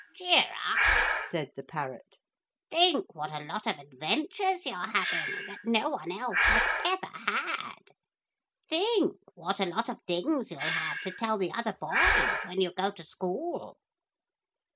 'Cheer up,' said the parrot. 'Think what a lot of adventures you're having that no one else has ever had: think what a lot of things you'll have to tell the other boys when you go to school.'